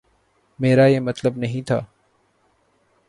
میرا یہ مطلب نہیں تھا۔